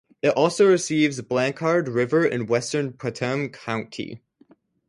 It also receives the Blanchard River in western Putnam County.